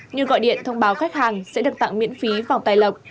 như gọi điện thông báo khách hàng sẽ được tặng miễn phí vòng tài lộc